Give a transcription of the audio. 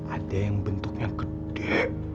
ada yang bentuknya gede